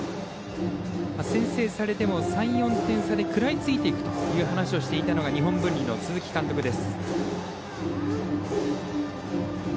先制されても３４点差で食らいついていくという話をしていたのが日本文理の鈴木監督です。